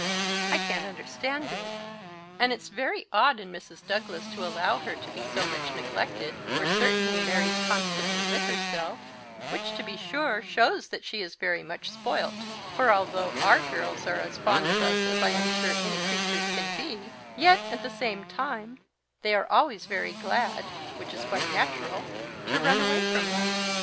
I can't understand it; and it's very odd in Mrs. Douglas to allow her to be so much neglected, for certainly Mary's constantly with herself; which, to be sure, shows that she is very much spoilt; for although our girls are as fond of us as I am sure any creatures can be, yet, at the same time, they are always very glad which is quite natural to run away from us."